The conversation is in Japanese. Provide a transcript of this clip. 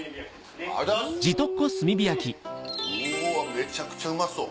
めちゃくちゃうまそう。